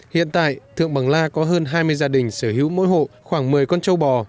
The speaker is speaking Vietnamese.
hiện tại thượng bằng la có hơn hai mươi gia đình sở hữu mỗi hộ khoảng một mươi con châu bò